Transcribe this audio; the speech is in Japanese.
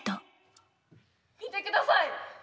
見てください。